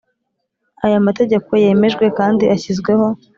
Aya amategeko yemejwe kandi ashyizweho